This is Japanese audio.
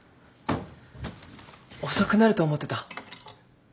遅くなると思ってた